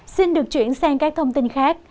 xin được chuyển sang các thông tin khác